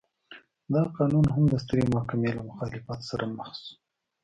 دا قانون هم د سترې محکمې له مخالفت سره مخ شو.